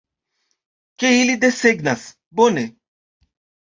Ke ili desegnas, bone.